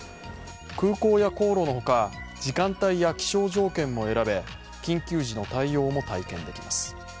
空港や航路のほか、時間帯や気象条件も選べ緊急時の対応も体験できます。